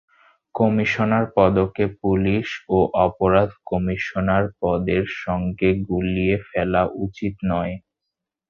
Commissioner পদকে police ও অপরাধ কমিশনার পদের সঙ্গে গুলিয়ে ফেলা উচিত নয়।